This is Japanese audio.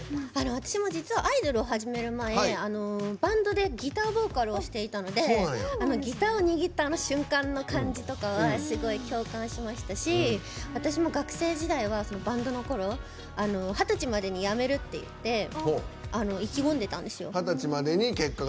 私も実はアイドルを始める前バンドでギターボーカルをしていたのでギターを握ったあの瞬間の感じとかはすごい共感しましたし私も学生時代はバンドのころ二十歳までにやめるって言って意気込んでたんですよ。